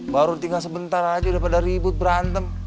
baru tinggal sebentar aja daripada ribut berantem